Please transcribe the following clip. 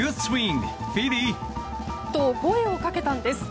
と、声をかけたんです。